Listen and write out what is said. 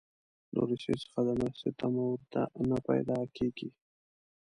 له روسیې څخه د مرستې تمه ورته نه پیدا کیږي.